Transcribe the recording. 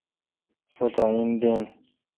سو داین دین۔